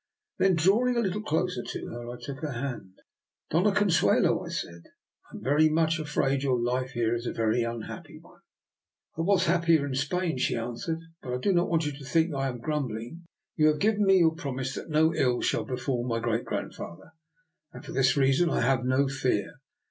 Then, drawing a little closer to her, I took her hand: " Doiia Consuelo," I said, " I am very much afraid your life here is a very unhappy one." DR. NIKOLA'S EXPERIMENT. 209 " I was happier in Spain," she answered. " But I do not want you to think that I am grumbling; you have given me your promise that no ill shall befall my great grandfather, and for this reason I have no fear.